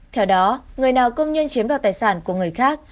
theo đó người nào công nhân chiếm đoạt tài sản của người khác